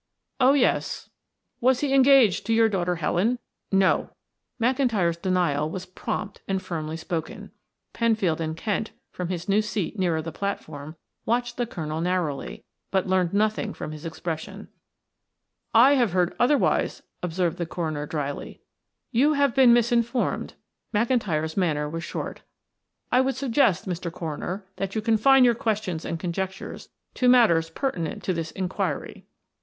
"Oh, yes." "Was he engaged to your daughter Helen?" "No." McIntyre's denial was prompt and firmly spoken. Penfield and Kent, from his new seat nearer the platform, watched the colonel narrowly, but learned nothing from his expression. "I have heard otherwise," observed the coroner dryly. "You have been misinformed," McIntyre's manner was short. "I would suggest, Mr. Coroner, that you confine your questions and conjectures to matters pertinent to this inquiry."